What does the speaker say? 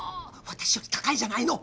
私より高いじゃないの！